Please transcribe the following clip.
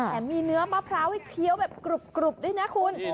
มีเนื้อมะพร้าวให้เคี้ยวแบบกรุบด้วยนะคุณ